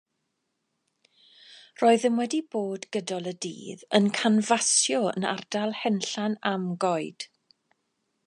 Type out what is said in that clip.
Roeddem wedi bod gydol y dydd yn canfasio yn ardal Henllan Amgoed.